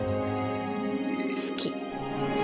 好き。